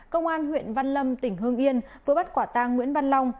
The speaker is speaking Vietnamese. công an huyện văn lâm tỉnh hương yên vừa bắt quả tang nguyễn văn long